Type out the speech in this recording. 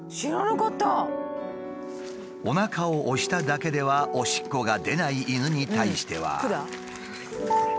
おなかを押しただけではおしっこが出ない犬に対しては。